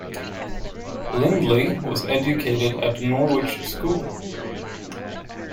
Lindley was educated at Norwich School.